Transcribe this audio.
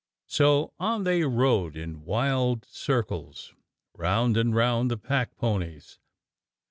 So on they rode in wild circles round and round the pack ponies.